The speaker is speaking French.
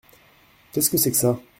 Qu’est que c’est que ça ?